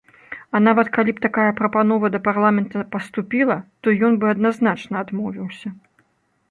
А нават калі б такая прапанова да парламента паступіла, то ён бы адназначна адмовіўся.